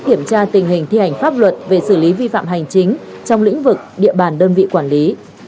kiểm tra tình hình thi hành pháp luật về xử lý vi phạm hành chính trong lĩnh vực địa bàn đơn vị quản lý